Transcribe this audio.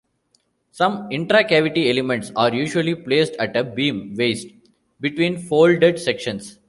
Some intracavity elements are usually placed at a beam waist between folded sections.